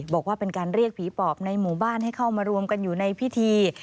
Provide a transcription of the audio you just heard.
บอกว่าเป็นการเรียกผีปอบในหมู่บ้านให้เข้ามารวมกันอยู่ในพิธี